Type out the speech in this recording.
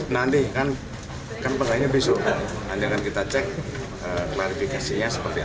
nanti kan pertanyaannya besok nanti akan kita cek klarifikasinya seperti apa